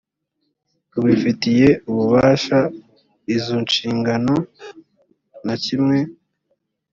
rubifitiye ububasha izo nshingano na kimwe